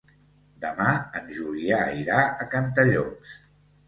Demà en Julià irà a Cantallops.